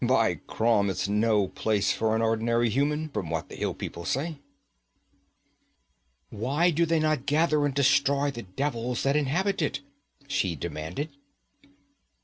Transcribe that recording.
By Crom, it's no place for an ordinary human, from what the hill people say.' 'Why do they not gather and destroy the devils that inhabit it?' she demanded.